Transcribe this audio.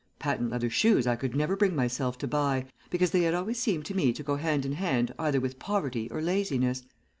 Patent leather shoes I could never bring myself to buy, because they had always seemed to me to go hand in hand either with poverty or laziness.